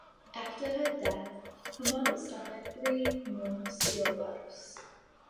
After her death, her mother suffered three more stillbirths.